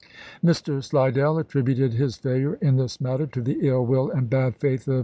Mr. Slidell attributed his failure in this matter to the ill will and bad faith of M.